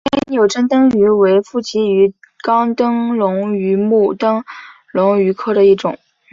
天纽珍灯鱼为辐鳍鱼纲灯笼鱼目灯笼鱼科的其中一种。